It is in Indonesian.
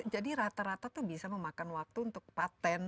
jadi rata rata itu bisa memakan waktu untuk patent